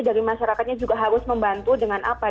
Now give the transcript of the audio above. dari masyarakatnya juga harus membantu dengan apa